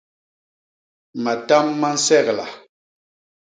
Matam ma nsegla.